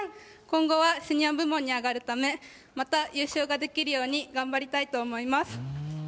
今後はシニア部門に上がるためまた優勝ができるように頑張りたいと思います。